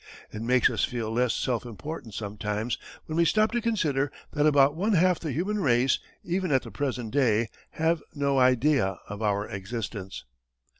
It makes us feel less self important, sometimes, when we stop to consider that about one half the human race, even at the present day, have no idea of our existence.